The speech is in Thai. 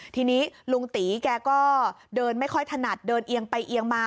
ทีนี้ลุงตีแกก็เดินไม่ค่อยถนัดเดินเอียงไปเอียงมา